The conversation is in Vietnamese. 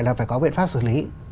là phải có biện pháp xử lý